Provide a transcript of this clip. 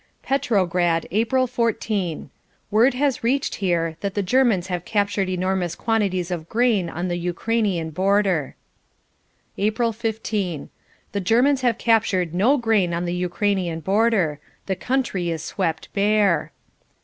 Petrograd, April 14. Word has reached here that the Germans have captured enormous quantities of grain on the Ukrainian border. April 15. The Germans have captured no grain on the Ukrainian border. The country is swept bare.